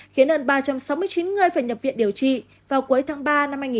khiến hơn ba trăm sáu mươi chín người phải nhập viện điều trị vào cuối tháng ba năm hai nghìn hai mươi